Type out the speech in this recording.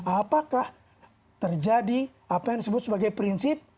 apakah terjadi apa yang disebut sebagai prinsip